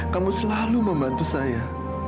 kamu selalu membantu saya